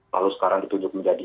lalu sekarang ditunjuk menjadi